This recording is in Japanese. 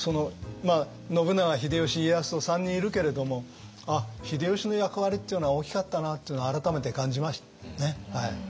信長秀吉家康と３人いるけれどもああ秀吉の役割っていうのは大きかったなっていうのを改めて感じましたね。